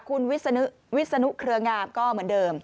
คุณวิศนุเครืองามก็เหมือนเดิม